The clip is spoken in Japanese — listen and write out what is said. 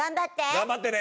頑張ってね。